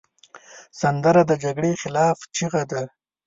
سندره د جګړې خلاف چیغه ده